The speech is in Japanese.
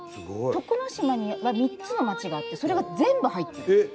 徳之島には３つの町があってそれが全部入ってる。